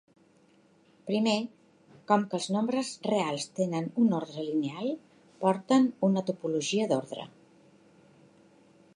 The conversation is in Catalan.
Primer, com que els nombres reals tenen un ordre lineal, porten una topologia d'ordre.